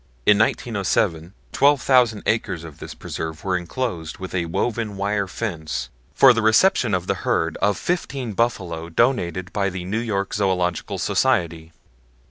In 1907, 12,000 acres of this preserve were inclosed with a woven wire fence for the reception of the herd of fifteen buffalo donated by the New York Zoological Society.